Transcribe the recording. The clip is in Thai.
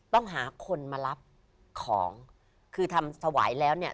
ต้องหาคนมารับของคือทำถวายแล้วเนี่ย